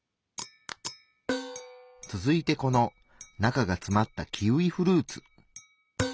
続いてこの中がつまったキウイフルーツ。